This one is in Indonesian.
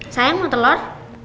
sayang mau telur